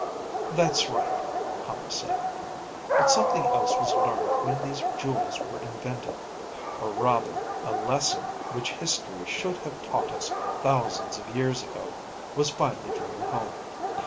"That's right," Hama said. "But something else was learned when these jewels were invented. Or rather a lesson which history should have taught us thousands of years ago was finally driven home.